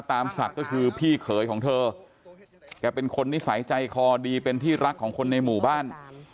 ศักดิ์ก็คือพี่เขยของเธอแกเป็นคนนิสัยใจคอดีเป็นที่รักของคนในหมู่บ้าน